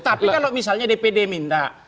tapi kalau misalnya dpd minta